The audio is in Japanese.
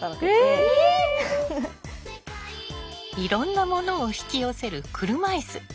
いろんなものを引き寄せる車いす。